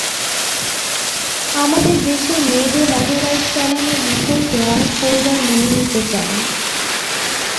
আমাদের দেশের মেয়েদের মোটরবাইক চালানোর বিষয়কে অনেক পরিবার মেনে নিতে চায় না।